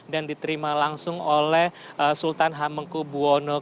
dan diterima langsung oleh sultan hamengku buwono x